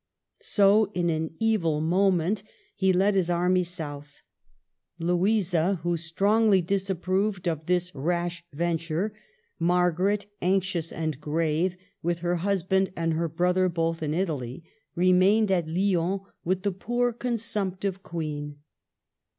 So, in an evil moment, he led his armies south. Louisa, who strongly disapproved of this rash venture, Margaret, anxious and grave, with her husband and her brother both in Italy, remained at Lyons with the poor consumptive Queen.